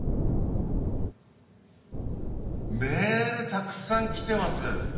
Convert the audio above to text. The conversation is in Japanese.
メールたくさん来てます